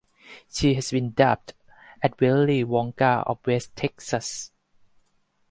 She has been dubbed the "Willy Wonka of West Texas".